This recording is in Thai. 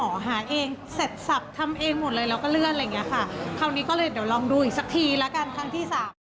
ครั้งที่๓